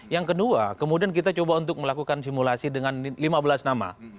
yang kedua kemudian kita coba untuk melakukan simulasi dengan lima belas nama